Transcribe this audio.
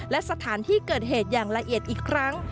และสถานที่เกิดเหตุอย่างละเอียดอีกครั้ง